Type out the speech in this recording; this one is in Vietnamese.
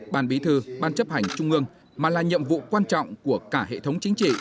ban bí thư ban chấp hành trung ương mà là nhiệm vụ quan trọng của cả hệ thống chính trị